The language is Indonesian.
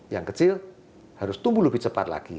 yang kecil harus tumbuh lebih cepat lagi